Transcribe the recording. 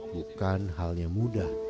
bukan hal yang mudah